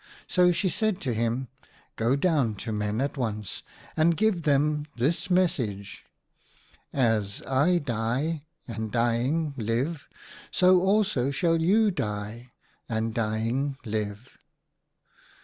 So she said to him :' Go 72 OUTA KAREL'S STORIES down to Men at once and give them this message :" As I die and, dying, live, so also shall you die, and, dying, live."